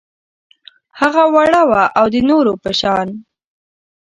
هغه وړه وه او د نورو په شان